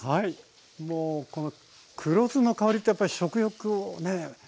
もうこの黒酢の香りってやっぱり食欲をね刺激しますね。